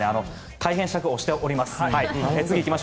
大変、尺押しております。